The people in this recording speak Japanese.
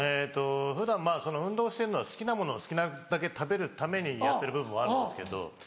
普段まぁその運動してるのは好きなものを好きなだけ食べるためにやってる部分もあるんですけど。